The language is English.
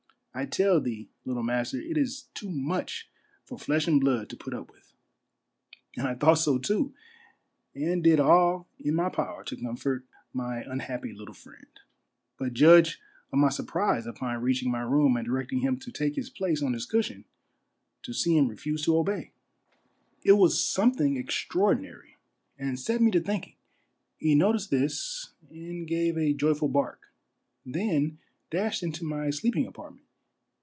I tell thee, little master, it is too much for flesh and blood to put up with." 4 A MAHVELLOUS UNDERGROUND JOURNEY And I thought so too, and did all in my power to comfort my unhappy little friend ; but judge of my surprise upon reaching my room and directing him to take his place on his cushion, to see him refuse to obey. It was something extraordinary, and set me to thinking. He noticed this and gave a joyful bark, then dashed into my sleep ing apartment.